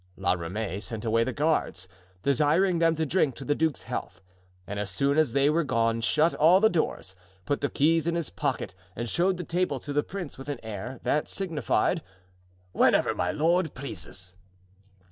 La Ramee sent away the guards, desiring them to drink to the duke's health, and as soon as they were gone shut all the doors, put the keys in his pocket and showed the table to the prince with an air that signified: "Whenever my lord pleases."